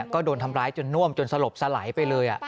ก็โดนทำร้ายจนน่วมจนสลบสลายไปเลย